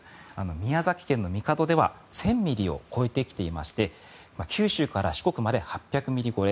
宮崎県の神門では１０００ミリを超えてきていまして九州から四国まで８００ミリ超え。